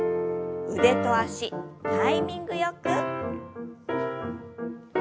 腕と脚タイミングよく。